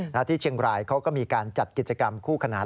และที่เชียงรายเขาก็มีการจัดกิจกรรมคู่ขนาน